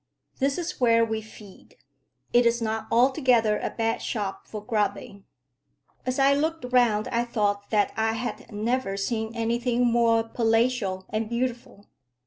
This is where we feed. It is not altogether a bad shop for grubbing." As I looked round I thought that I had never seen anything more palatial and beautiful.